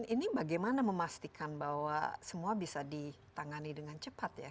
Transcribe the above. ini bagaimana memastikan bahwa semua bisa ditangani dengan cepat ya